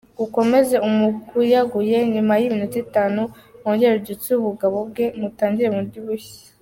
Ukomeze umuguyaguye nyuma y’iminota itanu wongere ubyutse ubugabo bwe mutangire bundi bushya.